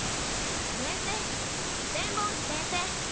先生千本木先生！